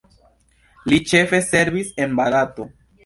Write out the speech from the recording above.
Li ĉefe servis en Barato.